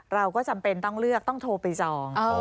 เราก็จำเป็นต้องเลือกต้องโทรไปจอง